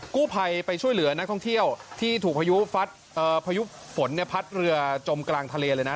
กู้ภัยไปช่วยเหลือนักท่องเที่ยวที่ถูกพายุฝนพัดเรือจมกลางทะเลเลยนะ